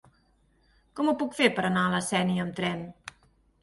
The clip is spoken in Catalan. Com ho puc fer per anar a la Sénia amb tren?